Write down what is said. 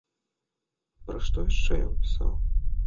Пра што яшчэ ён пісаў?